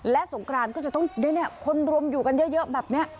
และสงกรานก็จะต้องคนรวมอยู่กันเยอะแบบนี้